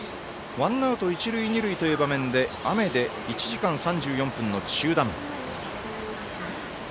ワンアウト一、二塁という場面で雨で１時間３４分の中断。